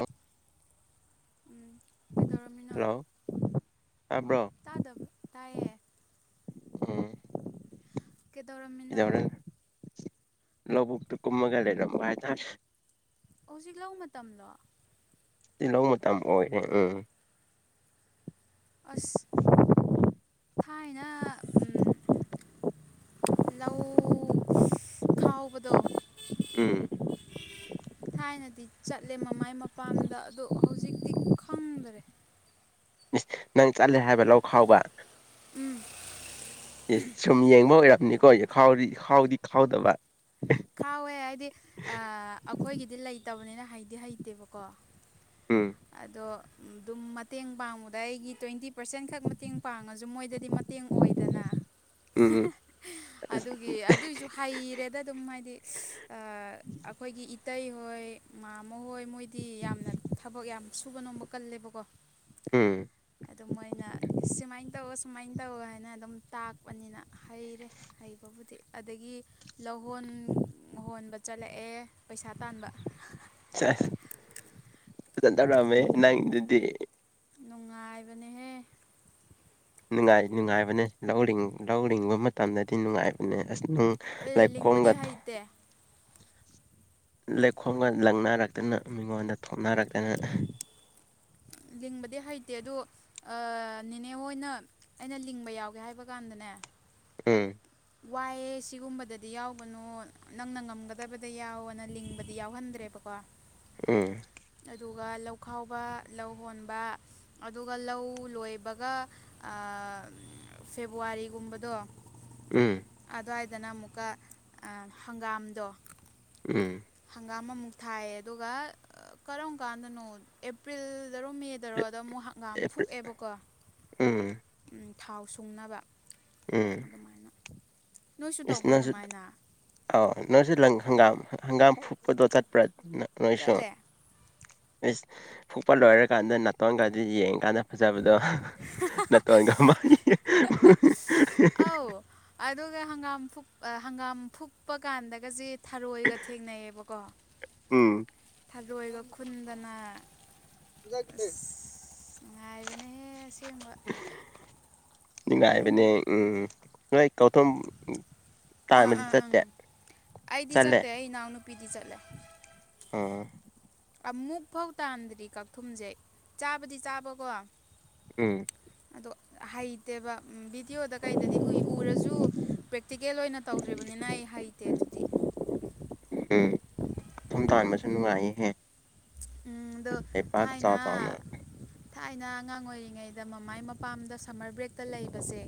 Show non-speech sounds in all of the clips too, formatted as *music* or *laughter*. ꯎ ꯎꯝ ꯀꯩꯗꯧꯔꯝꯃꯤꯅꯣ ꯑ ꯇꯥꯕ꯭ꯔꯣ ꯇꯥꯗꯕ ꯇꯥꯏꯌꯦ ꯎꯝ ꯀꯦꯗꯣꯔꯝꯟꯅꯣ ꯂꯧꯕꯨꯛꯛꯇ ꯀꯨꯝꯃꯒ ꯂꯩꯔꯝꯚꯥꯏ ꯊꯁ ꯑꯣꯖꯤꯛ ꯂꯧ ꯃꯇꯝꯗꯣ ꯂꯧꯧ ꯃ ꯃꯇꯝꯝ ꯑꯣꯏ ꯎꯝ ꯑꯁ ꯊꯥꯏꯅ ꯂꯧ ꯈꯥꯎꯕꯗꯣ ꯎꯝ ꯎꯝ ꯊꯥꯏꯅꯗꯤ ꯆꯠꯂꯦ ꯃꯃꯥꯏ ꯃꯄꯥꯝꯗ ꯑꯗ ꯍꯧꯖꯤꯛꯇꯤ ꯈꯪꯗꯔꯦ ꯏꯁ ꯅꯪ ꯆꯠꯂꯦ ꯍꯥꯏꯕ ꯂꯧ ꯈꯥꯎꯕ ꯑꯦ ꯁꯨꯝ ꯌꯦꯡꯕ ꯑꯣꯏꯔꯝꯅꯤꯀꯣꯥꯎ ꯈꯥꯎꯗꯤ ꯈꯥꯎꯗꯕ ꯈꯥꯎꯋꯦ ꯍꯥꯏꯗꯤ ꯑꯩꯈꯣꯏꯒꯤꯗꯤ ꯂꯩꯇꯕꯅꯤꯅ ꯍꯩꯗꯤ ꯍꯩꯇꯦꯕꯀꯣ ꯎꯝ ꯑꯗꯣ ꯑꯗꯨꯝ ꯃꯇꯦꯡ ꯄꯥꯡꯕꯗ ꯑꯩꯒꯤ ꯇ꯭ꯋꯦꯟꯇꯤ ꯄꯥꯔꯁꯦꯟ ꯈꯛ ꯃꯇꯦꯡ ꯄꯥꯡꯉꯁꯨ ꯃꯣꯏꯗꯗꯤ ꯃꯇꯦꯡ ꯑꯣꯏꯗꯅ ꯎꯝ ꯎꯝ ꯑꯁ ꯑꯗꯨꯒꯤ ꯑꯗꯨꯒꯤꯁꯨ ꯍꯩꯔꯦꯗ ꯑꯗꯨꯝ ꯍꯥꯏꯗꯤ ꯑꯩꯈꯣꯏꯒꯤ ꯏꯇꯩꯍꯣꯏ ꯃꯥꯃ ꯍꯣꯏ ꯃꯣꯏꯗꯤ ꯌꯥꯝꯅ ꯊꯕꯛ ꯌꯥꯝ ꯁꯨꯕ ꯅꯣꯝꯕ ꯀꯜꯂꯤ ꯂꯦꯕꯀꯣ ꯎꯝ ꯑꯗꯨ ꯃꯣꯏꯅ ꯁꯨꯃꯥꯏꯅ ꯇꯧ ꯁꯨꯃꯥꯏꯅ ꯇꯧ ꯍꯥꯏꯅ ꯑꯗꯨꯝ ꯇꯥꯛꯄꯅꯤꯅ ꯍꯩꯔꯦ ꯍꯩꯕ ꯕꯨꯗꯤ ꯑꯗꯒꯤ ꯂꯧꯍꯣꯟ ꯍꯣꯟꯕ ꯆꯠꯂꯛꯑꯦ ꯄꯩꯁꯥ ꯇꯥꯟꯕ ꯐꯖꯅ ꯇꯧꯔꯛꯑꯝꯃꯦ ꯅꯨꯡꯉꯥꯏ ꯅꯪꯗꯨꯗꯤ ꯅꯨꯡꯉꯥꯏꯕꯅꯦꯍꯦ ꯅꯨꯡꯉꯥꯏ ꯅꯨꯡꯉꯥꯏꯕꯅꯦ ꯂꯧ ꯂꯧꯔꯤꯕ ꯃꯇꯝꯗꯗꯤ ꯅꯨꯡꯉꯥꯏꯕꯅꯦ ꯑꯁꯝ ꯑꯦ ꯂꯥꯏ ꯂꯤꯡꯕꯗꯤ ꯀꯣꯝꯒ꯭ꯔꯣ ꯍꯩꯇꯦ ꯂꯩꯈꯣꯝꯒ ꯂꯪꯅꯔꯛꯇꯅ ꯃꯤꯉꯣꯟꯗ ꯊꯣꯛꯅꯔꯛꯇꯅ ꯎꯝ ꯂꯤꯡꯕꯗꯤ ꯍꯩꯇꯦ ꯑꯗ ꯅꯦꯅꯦ ꯍꯣꯏ ꯑꯣꯏꯅ ꯑꯩꯅ ꯂꯤꯡꯕ ꯌꯥꯎꯒꯦ ꯍꯥꯏꯕ ꯀꯥꯟꯗꯅꯦ ꯎꯝ ꯋꯥꯏꯑ ꯁꯤꯒꯨꯝꯕꯗꯗꯤ ꯌꯥꯎꯕꯅꯣ ꯅꯪꯅ ꯉꯝꯒꯗꯕꯗ ꯌꯥꯎꯅ ꯂꯤꯡꯕꯗꯤ ꯌꯥꯎꯍꯟꯗ꯭ꯔꯦꯕ ꯀꯀ ꯑ ꯑꯗꯨꯒ ꯂꯧ ꯈꯥꯎꯕ ꯂꯧ ꯍꯣꯟꯕ ꯑꯗꯨꯒ ꯂꯧ ꯂꯣꯏꯕꯒ ꯐꯦꯕꯋꯥꯔꯤꯒꯨꯝꯕꯗꯣ ꯎꯝ ꯑꯗꯨꯋꯥꯏꯗꯅ ꯑꯃꯨꯛꯀ ꯍꯪꯒꯥꯝꯗꯣ ꯎꯝ ꯍꯪꯒꯥꯝ ꯑꯃꯨꯛ ꯊꯥꯏꯌꯦ ꯑꯗꯨꯒ ꯀꯔꯝ ꯀꯥꯟꯗꯅꯣ ꯑꯦꯄ꯭ꯔꯤꯜꯗꯔꯣ ꯃꯦꯗꯔꯣ ꯀꯣꯗꯣ ꯑꯃꯨꯛ ꯉꯝ ꯐꯨꯛꯑꯦꯕꯀꯣ ꯎꯝ ꯊꯥꯎ ꯁꯨꯡꯅꯕ ꯎꯝ ꯑꯗꯨꯃꯥꯏꯅ ꯅꯣꯏꯁꯨ ꯏꯁ ꯇꯧꯕ꯭ꯔꯥ ꯅꯪꯁꯨ ꯑꯗꯨꯃꯥꯏꯅ ꯑꯥꯎ ꯅꯪꯁꯨꯪ ꯍꯪꯒꯥꯝ ꯍꯪꯒꯥꯝ ꯐꯨꯞꯄꯗꯣ ꯆꯠꯄ꯭ꯔꯥ ꯅꯣꯏꯁ ꯆꯠꯂꯦ ꯐꯨꯛꯄ ꯂꯣꯏꯔꯀꯥꯟꯗ ꯅꯥꯇꯣꯟꯒꯗꯤ ꯌꯦꯡꯀꯥꯟꯗ ꯐꯖꯕꯗ ꯅꯠꯇꯒ ꯃꯥꯅꯤ ꯑꯧ ꯑꯗꯨꯒ ꯍꯪꯒꯥꯝ ꯍꯪꯒꯥꯝ ꯐꯨꯨꯞꯄ ꯀꯥꯟꯗꯒꯁꯦ ꯊꯔꯣꯏꯒ ꯊꯦꯡꯅꯩꯌꯦꯕꯀꯣ ꯎꯝ ꯊꯔꯣꯏꯒ ꯈꯨꯟꯗꯅ ꯑꯁ ꯉꯥꯏꯕꯅꯍꯦ ꯑꯁꯦꯡꯕ ꯉꯥꯏꯕꯅꯦ ꯎꯝ ꯊꯨꯝ ꯑꯥ ꯇꯥꯡꯕꯗꯤ ꯑꯥ ꯑꯪ ꯆꯠꯇꯦ ꯆꯠꯂꯦ ꯄꯤꯗꯤ ꯆꯂ ꯑꯣ ꯑꯃꯨꯛ ꯐꯧ ꯇꯥꯟꯗ꯭ꯔꯤ ꯀꯛꯊꯨꯝꯁꯦ ꯆꯥꯕꯗꯤ ꯆꯥꯕꯀꯣ ꯎꯝ ꯣ ꯍꯩꯇꯦꯕ ꯚꯗꯤꯌꯑꯣꯗ ꯀꯩꯗꯗꯤ ꯎꯏ ꯎꯔꯁꯨ ꯄ꯭ꯔꯦꯛꯇꯤꯀꯦꯜ ꯑꯣꯏꯅ ꯇꯧꯗ꯭ꯔꯤꯕꯅꯤꯅ ꯑꯩ ꯍꯩꯇꯦ ꯑꯗꯨꯗꯤ *unintelligible* ꯎꯝ ꯃꯊꯨꯝ ꯇꯍꯟꯥꯟꯕꯁꯨ ꯅꯨꯡꯉꯥꯏꯍꯦ ꯎꯝꯗꯣ ꯆꯥꯎ ꯊꯥꯏꯅ ꯆꯥꯎꯅ ꯊꯥꯏꯅ ꯑꯉꯥꯡ ꯑꯣꯏꯔꯤꯉꯩꯗ ꯃꯃꯥꯏ ꯃꯄꯥꯝꯗ ꯁꯝꯃꯔ ꯕ꯭ꯔꯦꯛꯇ ꯂꯩꯕꯁꯦ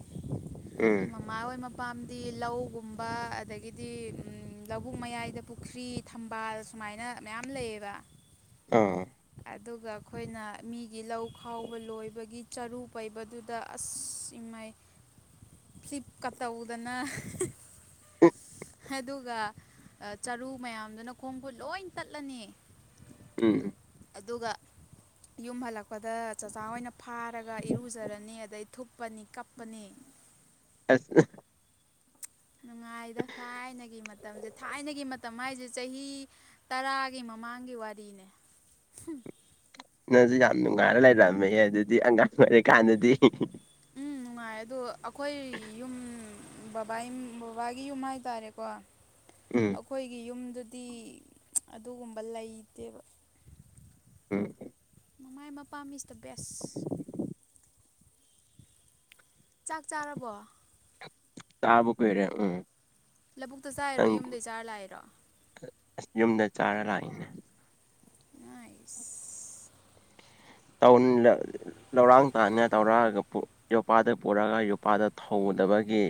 ꯎꯝ ꯃꯃꯥ ꯑꯣꯏꯃ ꯄꯥꯝꯗꯤ ꯂꯧꯒꯨꯝꯕ ꯑꯗꯒꯤꯗꯤ ꯂꯧꯕꯨꯛ ꯃꯌꯥꯏꯗ ꯄꯨꯈ꯭ꯔꯤ ꯊꯝꯕꯥꯜ ꯁꯨꯝ ꯑꯗꯨꯃꯥꯏꯅ ꯃꯌꯥꯝ ꯂꯩꯌꯦꯕ ꯑꯥ ꯑꯗꯨꯒ ꯑꯩꯈꯣꯏꯅ ꯃꯤꯒꯤ ꯂꯧ ꯈꯥꯎꯕ ꯂꯣꯏꯕꯒꯤ ꯆꯔꯨ ꯄꯩꯕꯗꯨꯗ ꯑꯁ ꯏꯃꯩ ꯐ꯭ꯂꯤꯞꯀꯥꯔ ꯇꯧꯗꯅ ꯑꯗꯨꯒ ꯆꯔꯨ ꯃꯌꯥꯝꯗꯨꯅ ꯈꯣꯡ ꯈꯨꯠ ꯂꯣꯏ ꯇꯠꯂꯅꯤ ꯎꯝ ꯑꯗꯨꯒ ꯌꯨꯝ ꯍꯜꯂꯛꯄꯗ ꯆꯥꯛꯆꯥ ꯑꯣꯏꯅ ꯐꯥꯔꯒ ꯏꯔꯨꯖꯔꯅꯤ ꯑꯗꯩ ꯊꯨꯞꯄꯅꯤ ꯀꯞꯄꯅꯤ *unintelligible* ꯑꯁ ꯅꯨꯡꯉꯥꯏꯗ ꯊꯥꯏꯅꯒꯤ ꯃꯇꯝꯁꯦ ꯊꯥꯏꯅꯒꯤ ꯃꯇꯝ ꯍꯥꯏꯁꯦ ꯆꯍꯤ ꯇꯔꯥꯒꯤ ꯃꯃꯥꯡꯒꯤ ꯋꯥꯔꯤꯅꯦ ꯅꯪꯁꯨ ꯌꯥꯝ ꯅꯨꯡꯉꯥꯏꯔ ꯂꯩꯔꯝꯃꯦ ꯑꯗꯨꯗꯤ ꯑꯉꯥꯡ ꯑꯣꯏꯔꯤꯀꯥꯟꯗꯗꯤ ꯎꯝ ꯅꯨꯡꯉꯥꯏ ꯑꯗꯣ ꯑꯩꯈꯣꯏ ꯌꯨꯝ ꯕꯕꯥ ꯕꯕꯥꯒꯤ ꯌꯨꯝ ꯍꯥꯏꯇꯥꯔꯦꯀꯣ ꯎꯝ ꯑꯩꯈꯣꯏꯒꯤ ꯌꯨꯝꯗꯨꯗ ꯗꯤ ꯑꯗꯨꯒꯨꯝꯕ ꯂꯩꯇꯦꯕ ꯎꯝ ꯃꯃꯥꯏ ꯃꯄꯥꯝ ꯏꯁ ꯗ ꯕꯦꯁ ꯆꯥꯛ ꯆꯥꯔꯕꯣ ꯇꯥꯕꯕꯨ ꯄ ꯑꯣꯏꯔꯦ ꯎꯝ ꯂꯧꯕꯕꯨꯛꯇ ꯆꯥꯑꯔꯣ ꯅꯪ ꯌꯨꯝꯗꯩ ꯆꯥꯔ ꯂꯥꯛꯏꯔꯣ ꯌꯨꯝꯗ ꯆꯥꯔ ꯂꯥꯛꯏꯅꯦ ꯏꯥꯏꯁ ꯂꯧꯔꯥꯡ ꯇꯥꯅꯤ ꯇꯧꯔꯑꯒ ꯌꯣꯄꯥꯛꯗ ꯄꯨꯔꯒ ꯌꯣꯄꯥꯗ ꯊꯗ ꯕꯒꯤ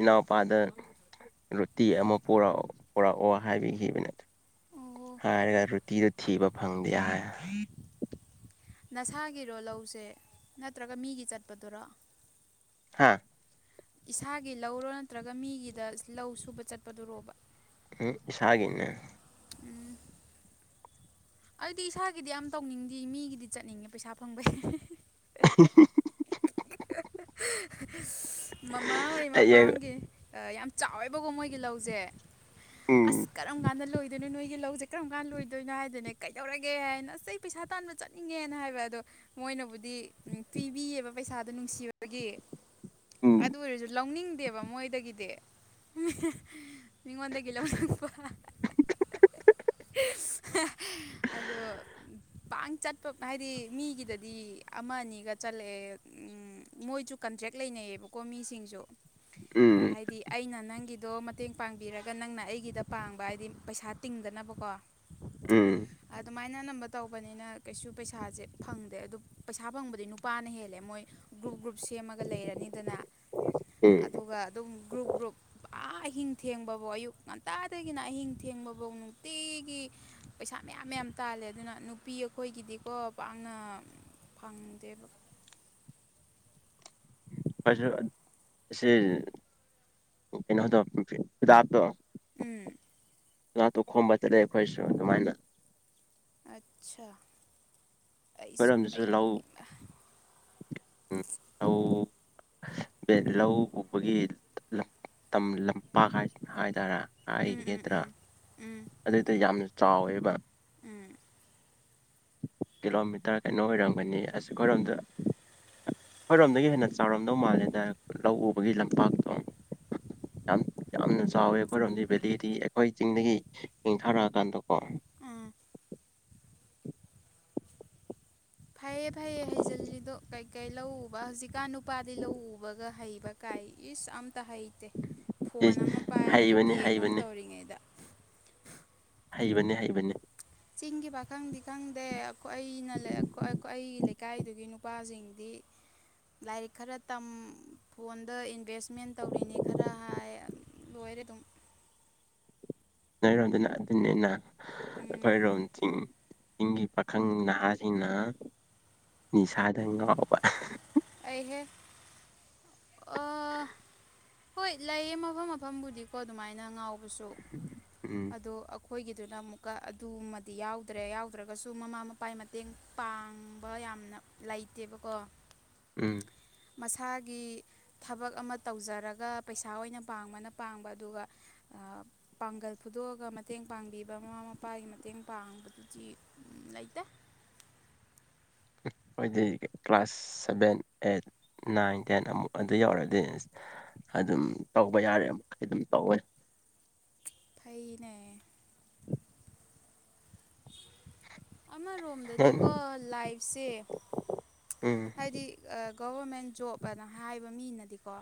ꯏꯅꯥꯎꯄꯥꯗ ꯔꯣꯇꯤ ꯑꯃꯛꯑꯣ ꯄꯔꯛꯑꯣ ꯍꯥꯏꯕꯤꯈꯤꯕ ꯅꯠꯇ꯭ꯔ ꯑꯣ ꯊꯤꯕ ꯐꯪꯗꯦ ꯍꯥꯏ ꯅꯁꯥꯒꯤꯔꯣ ꯂꯧꯁꯦ ꯅꯠꯇ꯭ꯔꯒ ꯃꯤꯒꯤ ꯆꯠꯄꯗꯨꯔ ꯍꯥꯥ ꯏꯁꯥꯒꯤ ꯂꯧꯔꯣ ꯅꯠꯇ꯭ꯔꯒ ꯃꯤꯒꯤꯗ ꯂꯧ ꯁꯨꯕ ꯆꯠꯄꯗꯨꯔꯣꯕ? ꯎꯝ ꯏꯁꯥꯒꯤꯅꯦ꯫ ꯑꯩꯗꯤ ꯏꯁꯥꯒꯤꯗꯤ ꯌꯥꯝ ꯇꯧꯅꯤꯡꯗꯤ ꯃꯤꯒꯤꯗꯤ ꯆꯠꯅꯤꯡꯉꯦ ꯄꯩꯁꯥ ꯐꯪꯕꯩ *unintelligible* *unintelligible* ꯃꯃꯥꯍꯣꯏ ꯍꯌꯦꯡ ꯃꯄꯥꯝꯒꯤ ꯌꯥꯝ ꯆꯥꯎꯋꯦꯕꯀꯣ ꯃꯣꯏꯒꯤ ꯂꯧꯖꯦ ꯑꯁ ꯎꯝ ꯀꯔꯝ ꯀꯥꯟꯗ ꯂꯣꯏꯗꯣꯏꯅꯣ ꯅꯣꯏꯒꯤ ꯂꯧꯖꯦ ꯀꯔꯝ ꯀꯥꯟ ꯂꯣꯏꯗꯣꯏꯅꯣ ꯍꯥꯏꯗꯅꯦ ꯀꯩꯗꯧꯔꯒꯦ ꯍꯥꯏꯅ ꯑꯁ ꯑꯩ ꯄꯩꯁꯥ ꯇꯥꯟꯕ ꯆꯠꯅꯤꯡꯉꯦꯅ ꯍꯥꯏꯕ ꯑꯗꯣ ꯃꯣꯏꯅꯕꯨꯗꯤ ꯄꯤꯕꯤꯌꯦꯕ ꯄꯩꯁꯥꯗꯣ ꯅꯨꯡꯁꯤꯕꯒꯤ ꯎꯝ ꯑꯗꯨ ꯑꯣꯏꯔꯁꯨ ꯂꯧꯅꯤꯡꯗꯦꯕ ꯃꯣꯏꯗꯒꯤꯗꯤ ꯃꯤꯉꯣꯟꯗꯒꯤ *unintelligible* ꯑꯗꯣ ꯄꯥꯡ ꯆꯠꯄ ꯍꯥꯏꯗꯤ ꯃꯤꯒꯤꯗꯗꯤ ꯑꯃ ꯑꯅꯤꯒ ꯆꯠꯂꯑꯦ ꯎꯝ ꯃꯣꯏꯁꯨ ꯀꯟꯇ꯭ꯔꯦꯛ ꯂꯩꯅꯩꯌꯦꯕꯀꯣ ꯃꯤꯁꯤꯡꯁꯨ ꯎꯝ ꯍꯥꯏꯗꯤ ꯑꯩꯅ ꯅꯪꯒꯤ ꯑꯗꯣ ꯃꯇꯦꯡ ꯄꯥꯡꯕꯤꯔꯒ ꯅꯪꯅ ꯑꯩꯒꯤꯗ ꯄꯥꯡꯕ ꯍꯥꯏꯗꯤ ꯄꯩꯁꯥ ꯇꯤꯡꯗꯅꯕꯀꯣ ꯎꯝ *unintelligible* ꯃꯥꯏꯅ ꯑꯅꯝꯕ ꯇꯧꯕꯅꯤꯅ ꯀꯩꯁꯨ ꯄꯩꯁꯥꯁꯦ ꯐꯪꯗꯦ ꯑꯗꯨ ꯄꯩꯁꯥ ꯐꯪꯕꯗꯤ ꯅꯨꯄꯥꯅ ꯍꯦꯜꯂꯦ ꯃꯣꯏ ꯒ꯭ꯔꯨꯞ ꯒ꯭ꯔꯨꯞ ꯁꯦꯝꯃꯒ ꯂꯩꯔꯅꯤꯗꯅ ꯎꯝ ꯑꯗꯨꯒ ꯑꯗꯨꯝ ꯒ꯭ꯔꯨꯞ ꯒ꯭ꯔꯨꯞ ꯑ ꯑꯍꯤꯡ ꯊꯦꯡꯕꯕꯧ ꯑꯌꯨꯛ ꯉꯟꯇꯥꯗꯒꯤꯅ ꯑꯍꯤꯡ ꯊꯦꯡꯕꯕꯧ ꯅꯨꯡꯇꯤꯒꯤ ꯄꯩꯁꯥ ꯃꯌꯥꯝ ꯃꯌꯥꯝ ꯇꯥꯜꯂꯦ ꯑꯗꯨꯅ ꯅꯨꯄꯤ ꯑꯩꯈꯣꯏꯒꯤꯗꯤꯀꯣ ꯄꯥꯛꯅ ꯐꯪꯗꯦꯕ꯫ *inaudible* *unintelligible* ꯑꯁꯤ ꯀꯩꯅꯣꯗꯣ ꯍꯤꯗꯥꯛꯇꯣ ꯎꯝ ꯉꯥꯇꯨ ꯈꯣꯝꯕꯗ ꯂꯦ ꯈꯣꯏꯁꯨ ꯗꯨꯃꯥꯏꯅ꯫ ꯑꯠꯁꯥ ꯑꯩꯁꯨ ꯑꯩꯈꯣꯏꯔꯣꯝꯗꯁꯨ ꯂꯧ ꯑꯩꯍꯣꯏꯃꯥ ꯎꯝ *unintelligible* *unintelligible* ꯂꯧ ꯎꯕꯒꯤ ꯂꯝ ꯇꯝ ꯂꯝꯄꯥꯛ ꯍꯥꯏ ꯍꯥꯏꯇꯥꯔꯦ ꯎꯝ ꯎꯝ ꯍꯥꯏꯒꯔꯦꯗ꯭ꯔꯥ ꯎꯝ ꯎꯝ ꯑꯗꯨꯗ ꯌꯥꯝ ꯆꯥꯎꯋꯦꯕ꯫ ꯎꯝ ꯀꯤꯂꯣꯃꯤꯇꯔ ꯀꯩꯅꯣ ꯑꯣꯏꯔꯝꯒꯅꯤ ꯑꯁ ꯑꯈꯣꯏꯔꯣꯝꯗ ꯍꯣꯏꯔꯣꯝꯗꯒꯤ ꯍꯦꯟꯅ ꯆꯥꯎꯔꯝꯗꯧ ꯃꯥꯜꯂꯦꯗ ꯂꯧ ꯎꯕꯒꯤ ꯂꯝꯄꯥꯛꯇꯣ꯫ ꯌꯥꯝ ꯌꯥꯝꯅ ꯆꯥꯎꯋꯦ ꯈꯣꯏ ꯔꯣꯝꯗꯤ ꯕꯦꯂꯤꯗꯤ ꯑꯩꯈꯣꯏ ꯆꯤꯡꯗꯒꯤ ꯅꯤꯡꯊꯔꯛꯑꯀꯥꯟꯗꯀꯣ ꯑ ꯐꯩꯌꯦ ꯐꯩꯌꯦ ꯍꯩꯖꯤꯜꯂꯤꯗꯣ ꯀꯩ ꯀꯩ ꯂꯧ ꯎꯕ ꯍꯧꯖꯤꯛꯀꯥꯟ ꯅꯨꯄꯥꯗꯤ ꯂꯧ ꯎꯕꯒ ꯍꯩꯕ ꯀꯥꯏ ꯏꯁ ꯑ ꯇ ꯍꯩꯇꯦ ꯐꯣꯟ ꯏꯁ ꯑꯃ ꯄꯥꯏꯔꯒ ꯍꯩꯕꯅꯤ ꯒꯦꯝ ꯑꯃ ꯍꯩꯕꯅꯤ ꯇꯧꯔꯤꯉꯩꯗ ꯍꯩꯕꯅꯦ ꯍꯩꯕꯅꯦ ꯆꯤꯡꯒꯤ ꯄꯥꯈꯪꯗꯤ ꯈꯪꯗꯦ ꯑꯈꯣ ꯑꯩꯅ ꯂꯩ ꯑꯈꯣ ꯑꯈꯣ ꯑꯩꯒꯤ ꯂꯩꯀꯥꯏꯗꯨꯒꯤ ꯅꯨꯄꯥꯁꯤꯡꯗꯤ ꯂꯥꯏꯔꯤꯛ ꯈꯔ ꯇꯝ ꯐꯣꯟꯗ ꯏꯟꯚꯦꯁꯃꯦꯟ ꯇꯧꯔꯤꯅꯤ ꯈꯔ ꯍꯥꯏ ꯂꯣꯏ *unintelligible* ꯅꯣꯏꯔꯣꯝꯗꯅ ꯑꯗꯨꯅꯤꯅ ꯎꯝ ꯑꯩꯈꯣꯏꯔꯣꯝ ꯊꯤꯡ ꯆꯤꯡꯒꯤ ꯄꯥꯈꯪ ꯅꯍꯥꯁꯤꯡꯅ ꯅꯤꯁꯥꯗ ꯉꯥꯎꯕ ꯑꯩꯍꯦ ꯑꯣ ꯍꯣꯏ ꯂꯩꯌꯦ ꯃꯐꯝ ꯃꯐꯝꯕꯨꯗꯤꯀꯣ ꯗꯨꯃꯥꯏꯅ ꯉꯥꯎꯕꯁꯨ ꯎꯝ ꯑꯗꯣ ꯈꯣꯏꯒꯤꯗꯨꯅ ꯑꯃꯨꯛꯀ ꯑꯗꯨꯃꯗꯤ ꯌꯥꯎꯗ꯭ꯔꯦ ꯌꯥꯎꯗ꯭ꯔꯒꯁꯨ ꯃꯃꯥ ꯃꯄꯥꯏ ꯃꯇꯦꯡ ꯄꯥꯡꯕ ꯌꯥꯝ ꯌꯥꯝꯅ ꯂꯩꯇꯦꯕꯀꯣ ꯎꯝ ꯃꯁꯥꯒꯤ ꯊꯕꯛ ꯑꯃ ꯇꯧꯖꯔꯒ ꯄꯩꯁꯥ ꯑꯣꯏꯅ ꯄꯥꯡꯕꯅ ꯄꯥꯡꯕ ꯑꯗꯨꯒ ꯑ ꯄꯥꯡꯒꯜ ꯐꯨꯗꯣꯛꯑꯒ ꯃꯇꯦꯡ ꯄꯥꯡꯕꯤꯕ ꯃꯃꯥ ꯃꯄꯥꯒꯤ ꯃꯇꯦꯡ ꯄꯥꯡꯕꯗꯨꯗꯤ ꯂꯩꯇꯦ꯫ ꯑꯣꯏꯗꯤ class seven eight nine ten ꯑꯃꯨꯛ ꯑꯗꯨ ꯌꯧꯔꯗꯤ ꯑꯁ ꯑꯗꯨꯝ ꯇꯧꯕ ꯌꯥꯔꯦ ꯃꯈꯩ ꯑꯗꯨꯝ ꯇꯧꯋꯦ ꯐꯩꯅꯦ ꯎꯝ ꯑꯃꯔꯣꯝꯗꯗꯤꯀꯣ ꯂꯥꯏꯐꯁꯦ ꯎꯝ ꯍꯥꯏꯗꯤ ꯒꯚꯔꯃꯦꯟ ꯖꯣꯕ ꯑꯅ ꯍꯥꯏꯕ ꯃꯤꯅꯗꯤꯀꯣ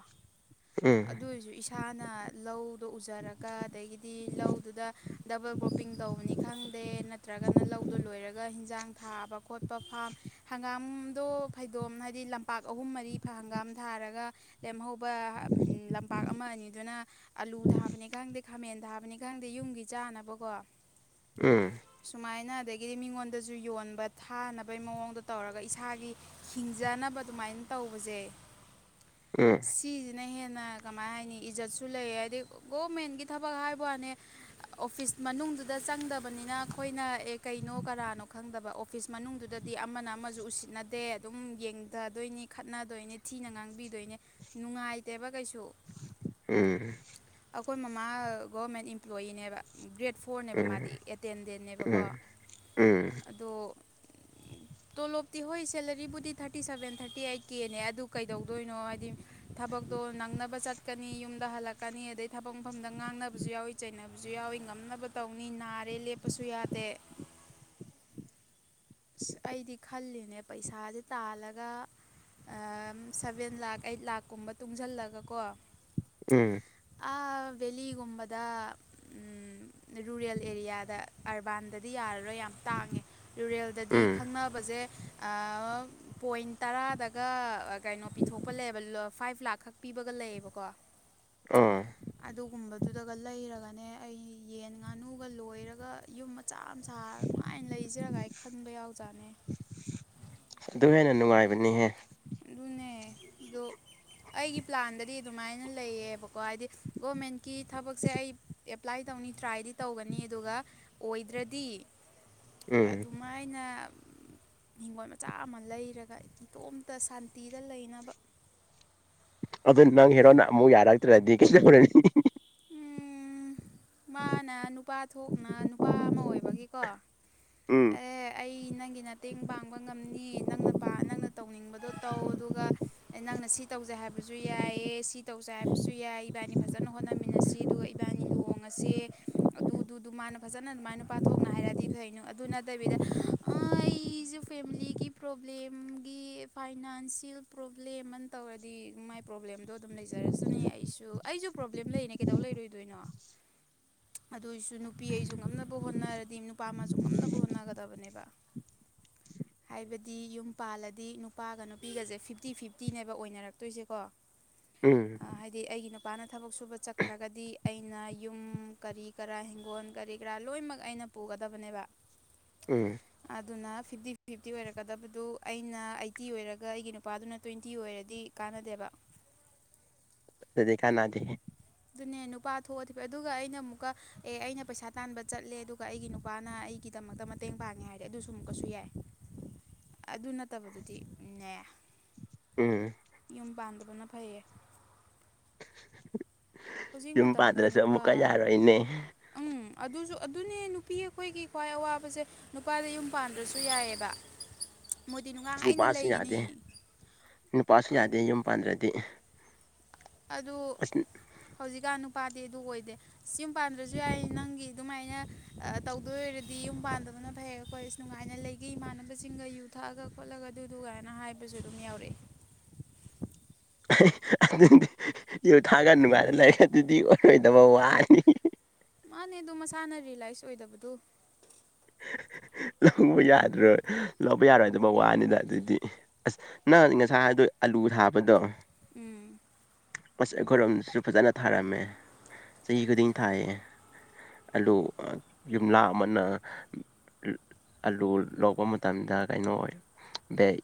ꯎꯝ ꯑꯗꯨ ꯑꯣꯏꯔꯁꯨ ꯏꯁꯥꯅ ꯂꯧꯗꯣ ꯎꯖꯔꯒ ꯑꯗꯒꯤꯗꯤ ꯂꯧꯗꯨꯗ ꯗꯕꯜ ꯒ꯭ꯔꯣ ꯀ ꯄꯤꯡ ꯇꯧꯕꯅꯤ ꯈꯪꯗꯦ ꯅꯠꯇ꯭ꯔꯒꯅ ꯂꯧꯗꯣ ꯂꯣꯏꯔꯒ ꯍꯤꯟꯁꯥꯡ ꯊꯥꯕ ꯈꯣꯠꯄ ꯐꯥꯝ ꯍꯪꯒꯥꯝ ꯑꯗꯣ ꯐꯩꯗꯣꯝ ꯍꯥꯏꯕꯗꯤ ꯂꯝꯄꯥꯛ ꯑꯍꯨꯝ ꯃꯔꯤ ꯍꯪꯒꯥꯝ ꯊꯥꯔꯒ ꯂꯦꯝꯍꯧꯕ ꯂꯝꯄꯥꯛ ꯑꯃ ꯑꯅꯤꯗꯨꯅ ꯑꯂꯨ ꯊꯥꯕꯅꯤ ꯈꯪꯗꯦ ꯈꯥꯃꯦꯟ ꯊꯥꯕꯅꯤ ꯈꯪꯗꯦ ꯌꯨꯝꯒꯤ ꯆꯥꯅꯕꯀꯣ ꯎꯝ ꯁꯨꯃꯥꯏꯅꯥ ꯑꯗꯒꯤꯗꯤ ꯃꯤꯉꯣꯟꯗꯁꯨ ꯌꯣꯟꯕ ꯊꯥꯅꯕꯩ ꯃꯑꯣꯡꯗ ꯇꯧꯔꯒ ꯏꯁꯥꯒꯤ ꯍꯤꯡꯖꯅꯕ ꯑꯗꯨꯃꯥꯏꯅ ꯇꯧꯕꯖꯩ ꯎꯝ ꯅ ꯍꯦꯟꯅ ꯀꯃꯥꯏ ꯍꯥꯏꯅꯤ ꯏꯖꯠꯁꯨ ꯂꯩ ꯍꯥꯏꯗꯤ ꯒꯣꯔꯃꯦꯟꯒꯤ ꯊꯕꯛ ꯍꯥꯏꯕꯅꯦ ꯑꯣꯐꯤꯁ ꯃꯅꯨꯡꯗꯨꯗ ꯆꯪꯗꯕꯅꯤꯅ ꯑꯩꯈꯣꯏꯅ ꯑꯦ ꯀꯩꯅꯣ ꯀꯔꯥꯅꯣ ꯈꯪꯗꯕ ꯑꯣꯐꯤꯁ ꯃꯅꯨꯡꯗꯨꯗꯗꯤ ꯑꯃꯅ ꯑꯃꯁꯨ ꯎꯁꯤꯠꯅꯗꯦ ꯑꯗꯨꯝ ꯌꯦꯡꯊꯗꯣꯏꯅꯤ ꯈꯠꯅꯗꯣꯏꯅꯤ ꯊꯤꯅ ꯉꯥꯡꯕꯤꯗꯣꯏꯅꯤ ꯅꯨꯡꯉꯥꯏ ꯗꯦꯕ ꯀꯥꯏꯁꯨ ꯎꯝ ꯑꯩꯈꯣꯏ ꯃꯃꯥ ꯒꯣꯃꯦꯟ ꯏꯝꯄ꯭ꯂꯣꯌꯤꯅꯦꯕ ꯒ꯭ꯔꯦꯠ ꯐꯣꯔꯅꯦꯕ ꯃꯥꯗꯤ ꯑꯦꯇꯦꯟꯗꯦꯟꯅꯦꯕꯀꯣ ꯎꯝ ꯎꯝ ꯑꯗꯣ ꯇꯣꯂꯣꯞꯇꯤ ꯍꯣꯏ ꯁꯦꯂꯔꯤꯕꯕꯨꯗꯤ ꯊꯥꯔꯇꯤ ꯁꯚꯦꯟ ꯊꯥꯔꯇꯤ ꯑꯩꯠꯀꯤꯅꯦ ꯑꯗꯨ ꯀꯩꯗꯧꯗꯣꯏꯅꯣ ꯍꯥꯏꯗꯤ ꯊꯕꯛꯇꯣ ꯅꯪꯅꯕ ꯆꯠꯀꯅꯤ ꯌꯨꯝꯗ ꯍꯜꯂꯛꯀꯅꯤ ꯑꯗꯩ ꯊꯕꯛ ꯃꯐꯝꯗ ꯉꯥꯡꯅꯕꯁꯨ ꯌꯥꯎꯋꯤ ꯆꯩꯅꯕ ꯌꯥꯎꯋꯤ ꯉꯝꯅꯕ ꯇꯧꯅꯤ ꯅꯥꯔꯦ ꯂꯦꯞꯄꯁꯨ ꯌꯥꯗꯦ ꯑꯩꯗꯤ ꯈꯜꯂꯤ ꯅꯦ ꯄꯩꯁꯥꯁꯦ ꯇꯥꯜꯂꯒ ꯁꯚꯦꯟ ꯂꯥꯛ ꯑꯩꯠ ꯂꯥꯛꯀꯨꯝꯕ ꯇꯨꯡꯁꯤꯜꯂꯒꯀꯣ ꯎꯝ ꯂꯤꯒꯨꯝꯕꯗ ꯔꯨꯔꯦꯜ ꯑꯦꯔꯤꯌꯥꯗ ꯑꯔꯕꯥꯟꯗꯗꯤ ꯌꯥꯔ ꯈ ꯌꯥꯝ ꯇꯥꯡꯉꯦ ꯔꯨꯔꯦꯜꯗꯗꯤ ꯎꯝ ꯈꯪꯅꯕꯁꯦ ꯄꯣꯏꯟ ꯇꯔꯥꯗꯒ ꯀꯩꯅꯣ ꯄꯤꯊꯣꯛꯄ ꯂꯩꯕ ꯐꯥꯏꯚ ꯂꯥꯛ ꯈꯛ ꯄꯤꯕꯒ ꯂꯩꯌꯦꯕꯀꯣ ꯑꯥ ꯑꯗꯨꯒꯨꯝꯕꯗ ꯑꯗꯨꯗꯒ ꯂꯩꯔꯒꯅꯦ ꯑꯩ ꯌꯦꯟ ꯉꯥꯅꯨꯒ ꯂꯣꯏꯔꯒ ꯌꯨꯝ ꯆꯥ ꯃ ꯁꯥ ꯅꯨꯡꯉꯥꯏꯅ ꯂꯩꯖꯔꯒ ꯈꯟꯕ ꯌꯥꯎꯖꯥꯠꯅꯦ ꯑꯗꯨꯅꯤꯍꯦ ꯅꯅꯦꯗ ꯑꯩꯒꯤ ꯄ꯭ꯂꯥꯟꯗꯗꯤ ꯑꯗꯨꯃꯥꯏꯅ ꯂꯩꯌꯦꯕꯀꯣ ꯍꯥꯏꯗꯤ ꯒꯣꯔꯃꯦꯟ ꯀꯤ ꯊꯕꯛꯁꯦ ꯑꯩ ꯑꯦꯄ꯭ꯂꯥꯏ ꯇꯧꯅꯤ ꯇ꯭ꯔꯥꯏꯗꯤ ꯇꯧꯒꯅꯤ ꯑꯗꯨꯒ ꯑꯣꯏꯗ꯭ꯔꯗꯤ ꯎꯝ ꯑꯗꯨꯃꯥꯏꯅ ꯍꯤꯡꯒꯣꯜ ꯃꯆꯥ ꯑꯃ ꯂꯩꯔꯒ ꯇꯣꯝ ꯇ ꯁꯥꯟꯇꯤꯗ ꯂꯩꯅꯕ ꯑꯗꯨ ꯅꯪ ꯍꯦꯔꯣꯅ ꯑꯃꯨꯛ ꯌꯥꯔꯛꯇ꯭ꯔꯗꯤꯔꯅꯤ ꯎꯝ ꯃꯥꯅ ꯅꯨꯄꯥ ꯊꯣꯛꯅ ꯅꯨꯄꯥ ꯑꯃ ꯑꯣꯏꯕꯒꯤꯀꯣ ꯎꯝ ꯑꯦ ꯑꯩ ꯅꯪꯒꯤ ꯃꯇꯦꯡ ꯄꯥꯡꯕ ꯉꯝꯅꯤ ꯅꯪꯅ ꯅꯪꯅ ꯇꯧꯅꯤꯡꯕꯗꯣ ꯇꯧ ꯑꯗꯨꯒ ꯅꯪꯅ ꯁꯤ ꯇꯧꯖꯩ ꯍꯥꯏꯕꯁꯨ ꯌꯥꯏꯌꯦ ꯁꯤ ꯇꯧꯖꯩ ꯍꯥꯏꯕꯁꯨ ꯌꯥꯏ ꯏꯕꯥꯏꯅꯤ ꯐꯖꯅ ꯍꯣꯠꯅꯃꯤꯟꯅꯁꯤ ꯑꯗꯨꯒ ꯏꯕꯥꯅꯤ ꯂꯨꯍꯣꯡꯉꯁꯦ ꯑꯗꯨꯗꯨꯗꯨ ꯃꯥꯅ ꯐꯖꯅ ꯑꯗꯨꯃꯥꯏꯅ ꯅꯨꯄꯥ ꯊꯣꯛꯅ ꯍꯥꯏꯔꯗꯤ ꯐꯩꯅꯣ ꯑꯗꯨ ꯅꯠꯇꯕꯤꯗ ꯑꯩꯁꯨꯦ ꯐꯦꯃꯤꯂꯤꯒꯤ ꯄ꯭ꯔꯣꯕ꯭ꯂꯦꯝꯒꯤ ꯐꯥꯏꯅꯥꯟꯁꯤꯌꯦꯜ ꯄ꯭ꯔꯣꯕ꯭ꯂꯦꯝꯅ ꯇꯧꯔꯗꯤ ꯃꯥꯏ ꯄ꯭ꯔꯣꯕ꯭ꯂꯦꯝꯗꯣ ꯑꯗꯨꯝ ꯂꯩꯖꯔꯁꯅꯦ ꯑꯩꯁꯨ ꯑꯩꯁꯨ ꯄ꯭ꯔꯣꯕ꯭ꯂꯦꯝ ꯂꯩꯅꯤ ꯀꯩꯗꯧꯕ *unintelligible* ꯉꯝꯅꯕ ꯍꯣꯠꯅꯒꯗꯕꯅꯦꯕ ꯍꯥꯏꯕꯗꯤ ꯌꯨꯝ ꯄꯥꯜꯂꯗꯤ ꯅꯨꯄꯥꯒ ꯅꯨꯄꯤꯒꯁꯦ ꯐꯤꯞꯇꯤ ꯐꯤꯐꯇꯤꯅꯦꯕ ꯑꯣꯏꯅꯔꯛꯇꯣꯏꯁꯦꯀꯣ ꯎꯝ ꯏꯄꯥꯅ ꯊꯕꯛ ꯁꯨꯕ ꯆꯠꯈ꯭ꯔꯒꯗꯤ ꯑꯩꯅ ꯌꯨꯝ ꯀꯔꯤ ꯀꯔꯥ ꯍꯤꯡꯒꯣꯜ ꯀꯔꯤ ꯀꯔꯥ ꯂꯣꯏꯅꯃꯛ ꯑꯩꯅ ꯄꯨꯒꯗꯕꯅꯦꯕ ꯎꯝ ꯑꯗꯨꯅ ꯐꯤꯞꯇꯤ ꯐꯤꯞꯇꯤ ꯑꯣꯏꯔꯛꯀꯗꯕꯗꯨ ꯑꯩꯅ ꯑꯩꯠꯇꯤ ꯑꯣꯏꯔꯒ ꯑꯩꯒꯤ ꯅꯨꯄꯥꯗꯨꯅ ꯇ꯭ꯋꯦꯟꯇꯤ ꯑꯣꯏꯔꯗꯤ ꯀꯥꯟꯅꯗꯦꯕ ꯑꯗꯨꯗꯤ ꯀꯥꯟꯅꯥꯗꯦ ꯑꯗꯨꯅꯦ ꯅꯨꯄꯥ ꯊꯣꯛꯑꯗꯤ ꯑꯗꯨꯒ ꯑꯩꯅ ꯑꯃꯨꯛꯀ ꯑꯦ ꯑꯩꯅ ꯄꯩꯁꯥ ꯇꯥꯟꯕ ꯆꯠꯂꯦ ꯑꯗꯨꯒ ꯑꯩꯒꯤ ꯅꯨꯄꯥꯅ ꯑꯩꯒꯤꯗꯃꯛꯇ ꯈꯛꯇ ꯃꯇꯦꯡ ꯄꯥꯡꯉꯦ ꯍꯥꯏꯔꯗꯤ ꯑꯗꯨꯁꯨ ꯑꯃꯨꯛꯀꯁꯨ ꯌꯥꯏ ꯑꯗꯨ ꯅꯠꯇꯕꯗꯨꯗꯤꯅꯦ ꯎꯝ ꯌꯨꯝ ꯄꯥꯟꯗꯕꯅ ꯐꯩꯌꯦ *unintelligible* ꯍꯧꯖꯤꯛ ꯌꯨꯝ ꯃꯇꯝꯗ ꯄꯥꯟꯗ꯭ꯔꯁꯨ ꯅꯨꯄꯥ ꯑꯃꯨꯛꯀ ꯌꯥꯔꯣꯏꯅꯦ ꯎꯝ ꯑꯗꯨꯁꯨ ꯑꯗꯨꯅꯦ ꯅꯨꯄꯤ ꯑꯩꯈꯣꯏꯒꯤ ꯈ꯭ꯋꯥꯏ ꯑꯋꯥꯕꯁꯦ ꯅꯨꯄꯥꯗ ꯌꯨꯝ ꯄꯥꯟꯗ꯭ꯔꯁꯨ ꯌꯥꯏꯑꯕ ꯃꯣꯏꯗꯤ ꯅꯨꯡꯉꯥꯏꯅ ꯅꯨꯄꯥꯁꯨ ꯂꯩꯒꯅꯤ ꯌꯥꯗꯦ ꯅꯨꯄꯥꯁꯨ ꯌꯥꯗꯦ ꯌꯨꯝ ꯄꯥꯟꯗ꯭ꯔꯗꯤ ꯑꯗꯨ ꯑꯁ ꯍꯧꯖꯤꯛꯀꯥꯟ ꯅꯨꯄꯥ ꯦ ꯑꯗꯨ ꯑꯣꯏꯗꯦ ꯁꯤ ꯌꯨꯝ ꯄꯥꯟꯗ꯭ꯔꯁꯨ ꯌꯥꯏ ꯅꯪꯒꯤ ꯑꯗꯨꯃꯥꯏꯅ ꯇꯧꯗꯣꯏ ꯑꯣꯏꯔꯗꯤ ꯌꯨꯝ ꯄꯥꯟꯗꯕꯅ ꯐ ꯍꯦꯛ ꯑꯩꯈꯣꯏ ꯅꯨꯡꯉꯥꯏꯅ ꯂꯩꯒꯦ ꯏꯃꯥꯟꯅꯕꯁꯤꯡꯒ ꯌꯨ ꯊꯛꯑꯒ ꯈꯣꯠꯂꯒ ꯑꯗꯨꯗꯨꯒꯥꯏꯅ ꯍꯥꯏꯕꯁꯨ ꯑꯗꯨꯝ ꯌꯥꯎꯔꯛꯏ *unintelligible* ꯑꯗꯨꯗꯤ ꯌꯨ ꯊꯥꯒ ꯅꯨꯡꯉꯥꯏꯅ ꯂꯩꯔꯒ ꯑꯗꯨꯗꯤ ꯑꯣꯏꯔꯣꯏꯗꯕ ꯋꯥꯅꯤ ꯃꯥꯅꯦ ꯑꯗꯨ ꯃꯁꯥꯅ ꯔꯤꯌꯦꯂꯥꯏꯁ ꯑꯣꯏꯗꯕꯗꯨ ꯂꯧꯕ ꯌꯥꯗꯔꯣꯏ ꯂꯧꯕ ꯌꯥꯔꯣꯏ ꯑꯗꯨꯃ ꯋꯥꯅꯤꯗ ꯑꯗꯨꯑꯣꯏꯗꯤ ꯑꯁ ꯅꯪ ꯉꯁꯥꯏ ꯍꯥꯏꯗꯣ ꯑꯂꯨ ꯊꯥꯕꯗꯣ ꯎꯝ ꯑꯁ ꯑꯩꯈꯣꯏꯔꯣꯝꯁꯨ ꯐꯖꯅ ꯊꯥꯔꯝꯃꯦ ꯆꯍꯤ ꯈꯨꯗꯤꯡ ꯊꯥꯏꯌꯦ ꯑꯂꯨ ꯌꯨꯝꯂꯥ ꯑꯃꯅ ꯑꯂꯨ ꯂꯧꯕ ꯃꯇꯝꯗ ꯀꯩꯅꯣ ꯕꯦꯛ